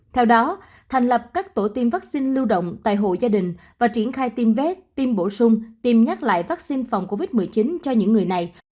theo đó thành lập các tổ tiêm vaccine lưu động tại hộ gia đình và triển khai tiêm vét tiêm bổ sung tiêm nhắc lại vaccine phòng covid một mươi chín cho những người này